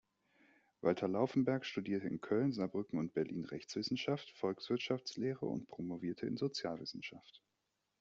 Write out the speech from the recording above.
Walter Laufenberg studierte in Köln, Saarbrücken und Berlin Rechtswissenschaft, Volkswirtschaftslehre und promovierte in Sozialwissenschaft.